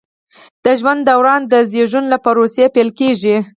د ژوند دوران د زیږون له پروسې پیل کیږي.